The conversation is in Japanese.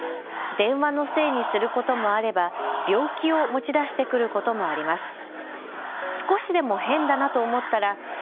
電話のせいにすることもあれば病気を持ち出してくることもあります。